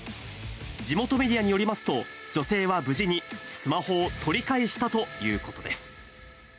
地元メディアによりますと、女性は無事にスマホを取り返したということです。